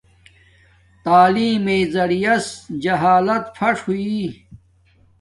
تعیلم میے زریعس جہالت فݽ ہوݵݵ